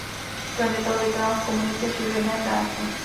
Kromě toho konal v komunitě služebné práce.